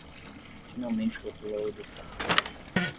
Finalmente o upload está completo